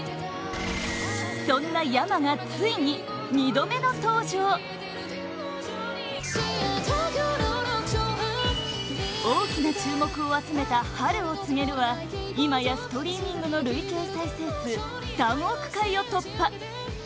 そんなｙａｍａがついに、２度目の登場大きな注目を集めた「春を告げる」は今や、ストリーミングの累計再生数３億回を突破！